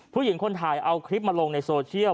ผู้หญิงคนถ่ายเอาคลิปมาลงในโซเชียล